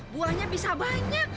buahnya bisa banyak